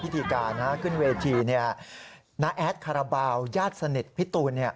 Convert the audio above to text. พิธีการขึ้นเวทีน้าแอดคาราบาลญาติสนิทพี่ตูน